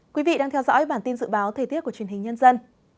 quý vị đang theo dõi bản tin dự báo thời tiết của truyền hình nhân dân